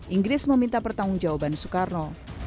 inggris meminta pertanggung jawaban soekarno